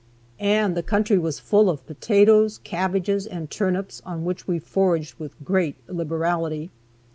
And the country was full of potatoes, cabbages, and turnips, on which we foraged with great liberality.